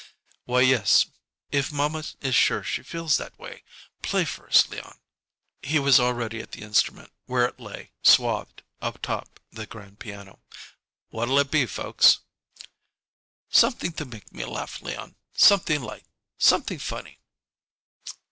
"Why, yes; if mamma is sure she feels that way, play for us, Leon." He was already at the instrument, where it lay, swathed, atop the grand piano. "What'll it be, folks?" "Something to make ma laugh, Leon something light, something funny."